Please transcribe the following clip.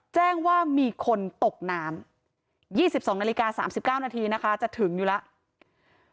แจ้งว่ามีคนตกน้ำ๒๒นาฬิกา๓๙นาทีนะคะจะถึงอยู่แล้ว